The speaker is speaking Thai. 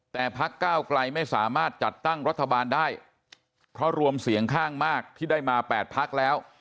แต่พักก้าวไกลไม่สามารถจัดตั้งรัฐบาลได้เพราะรวมเสียงข้างมากที่ได้มา๘พักแล้ว